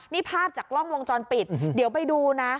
นี่ภาพจากกล้องวงจรปิดเดี๋ยวไปดูนะ